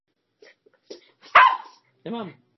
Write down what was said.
Jeho vláda byla obdobím územní expanze a hospodářské prosperity.